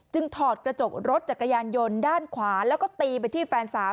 ถอดกระจกรถจักรยานยนต์ด้านขวาแล้วก็ตีไปที่แฟนสาว